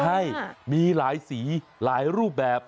ใช่มีหลายสีหลายรูปแบบ